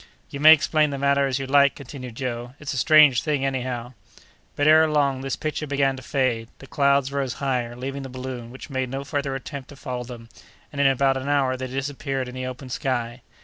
"You may explain the matter as you like," continued Joe, "it's a strange thing, anyhow!" But ere long this picture began to fade away; the clouds rose higher, leaving the balloon, which made no further attempt to follow them, and in about an hour they disappeared in the open sky.